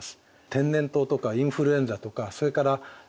天然痘とかインフルエンザとかそれからはしかですね